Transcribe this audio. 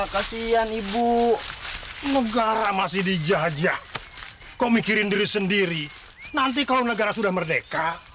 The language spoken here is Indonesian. kasian ibu negara masih dijajah kau mikirin diri sendiri nanti kalau negara sudah merdeka